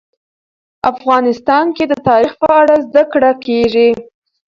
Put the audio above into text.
افغانستان کې د تاریخ په اړه زده کړه کېږي.